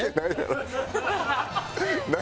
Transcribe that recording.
何？